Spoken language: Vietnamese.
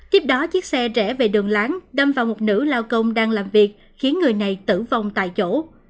tiếp đó chiếc xe rễ về đường láng đâm vào một nữ lao công đang làm việc khiến người này tử vong tại chỗ